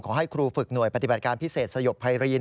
ขอให้ครูฝึกหน่วยปฏิบัติการพิเศษสยบภัยรี